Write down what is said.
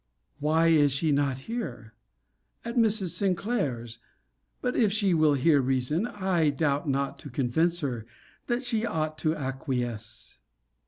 Why, is she not here? At Mrs. Sinclair's? But if she will hear reason, I doubt not to convince her, that she ought to acquiesce.